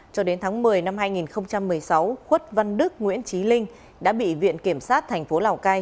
cho đến tháng một mươi năm hai nghìn một mươi sáu khuất văn đức nguyễn trí linh đã bị viện kiểm sát thành phố lào cai